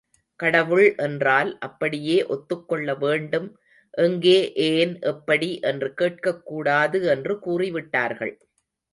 கடவுள் என்றால் அப்படியே ஒத்துக்கொள்ள வேண்டும் எங்கே ஏன் எப்படி என்று கேட்கக்கூடாது என்று கூறிவிட்டார்கள்.